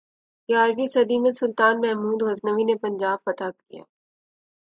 گیارہویں صدی میں سلطان محمود غزنوی نے پنجاب فتح کرک